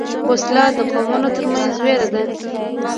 وسله د قومونو تر منځ وېره ده